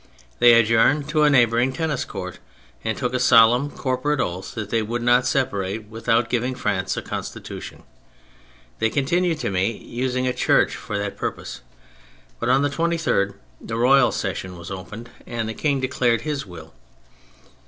They adjourned to a neigh bouring tennis court, and took a solemn corporate oath that they would not separate without giving France a Constitution. They continued to meet, using a church for that purpose, but on the 23rd the Royal Session was opened and the King declared his will.